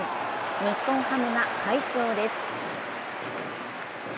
日本ハムが快勝です。